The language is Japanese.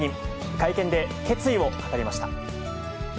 会見で決意を語りました。